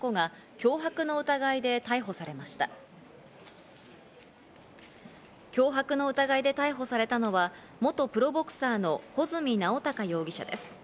脅迫の疑いで逮捕されたのは元プロボクサーの保住直孝容疑者です。